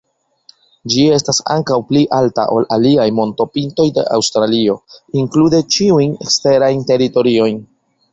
Ĝi estas ankaŭ pli alta ol aliaj montopintoj de Aŭstralio, inklude ĉiujn eksterajn teritoriojn.